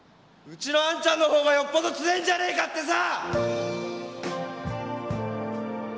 うちのあんちゃんの方がよっぽど強ぇんじゃねえかってさ。